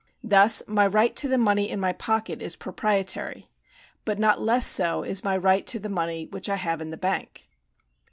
Thus my right to the money in my pocket is proprietary ; but not less so is my right to the money which I have in the bank.